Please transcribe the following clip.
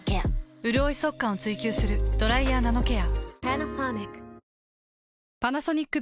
うるおい速乾を追求する「ドライヤーナノケア」。